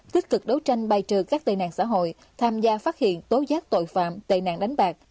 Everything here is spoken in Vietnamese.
tích cực đấu tranh bay trừ các tài nạn xã hội tham gia phát hiện tố giác tội phạm tài nạn đánh bạc